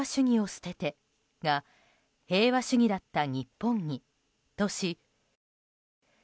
「平和主義を捨てて」が「平和主義だった日本に」に変更。